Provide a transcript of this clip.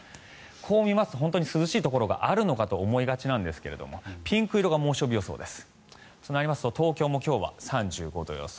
こう見ますと本当に涼しいところがあるのかと思いがちなんですがピンク色が猛暑日予想です。となりますと東京も今日は３５度予想。